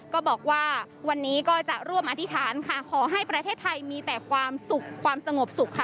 ก็บอกว่าวันนี้ก็จะร่วมอธิษฐานค่ะขอให้ประเทศไทยมีแต่ความสุขความสงบสุขค่ะ